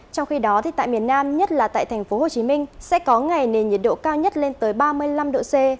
trong khi đó thì tại miền nam nhất là tại thành phố hồ chí minh sẽ có ngày nền nhiệt độ cao nhất lên tới ba mươi năm độ c